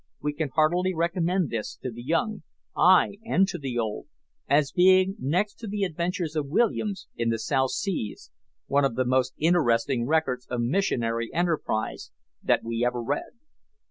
We can heartily recommend this to the young ay, and to the old as being, next to the Adventures of Williams in the South Seas, one of the most interesting records of missionary enterprise that we ever read.